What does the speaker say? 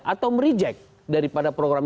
atau mereject daripada program